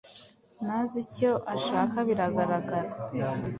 Ntazi icyo ashaka biragaragara.